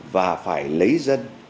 và phải lấy dân